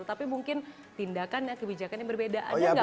tapi mungkin tindakan dan kebijakan yang berbeda